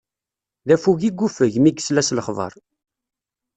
D affug i yuffeg, mi yesla s lexbaṛ.